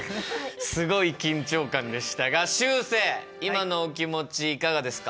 すごい緊張感でしたがしゅうせい今のお気持ちいかがですか？